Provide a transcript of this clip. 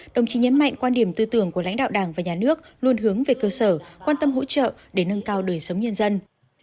đồng chí nhấn mạnh quan điểm tư tưởng của lãnh đạo đảng và nhà nước luôn hướng về cơ sở quan tâm hỗ trợ để nâng cao đời sống nhân dân